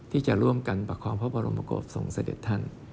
ที่จะร่วมกันประคองพระบรมโกศส่งเสด็จท่าน